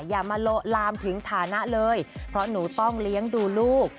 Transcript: อย่ามาโละลามถึงฐานะเลยเพราะหนูต้องเลี้ยงดูลูก